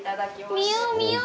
見よう見よう！